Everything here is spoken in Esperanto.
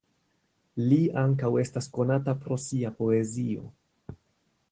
Li ankaŭ estas konata pro sia poezio.